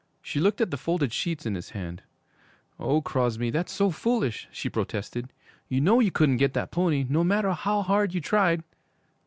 She looked at the folded sheets in his hand. 'O Crosby, that's so foolish!' she protested. 'You know you couldn't get that pony, no matter how hard you tried.'